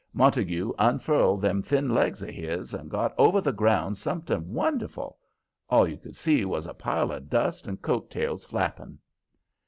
Montague unfurled them thin legs of his and got over the ground something wonderful. All you could see was a pile of dust and coat tails flapping.